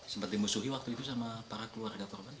sempat dimusuhi waktu itu sama para keluarga korban